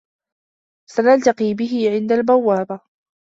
سنلتقي به عند البوابة.